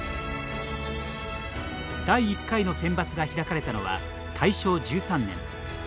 第１回のセンバツが開かれたのは大正１３年。